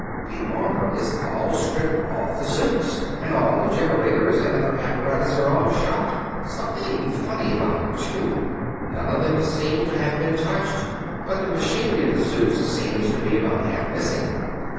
The armor is all stripped off the suits, and all the generators and other apparatus are all shot. Something funny about it, too none of them seem to have been touched, but the machinery of the suits seems to be about half missing."